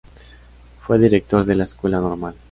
Fue director de la Escuela Normal.